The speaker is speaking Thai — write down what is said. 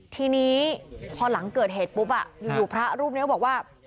ทีนี้พอหลังเกิดเหตุปุ๊บอยู่พระรูปนี้บอกว่า